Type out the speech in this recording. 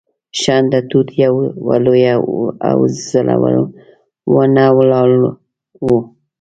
شنډه توت یوه لویه او زړه ونه ولاړه وه.